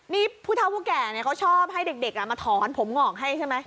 นี่ผู้เท่าผู้แก่เขาชอบให้เด็กมาถอนผมงอกให้ใช่ไหม